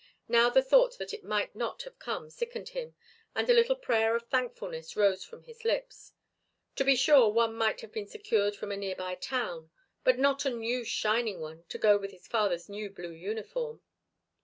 Now, the thought that it might not have come sickened him, and a little prayer of thankfulness rose from his lips. To be sure one might have been secured from a nearby town, but not a new shining one to go with his father's new blue uniform.